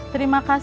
terima kasih bu